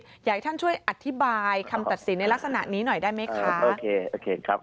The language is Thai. อยากให้ท่านช่วยอธิบายคำตัดสินในลักษณะนี้หน่อยได้ไหมคะ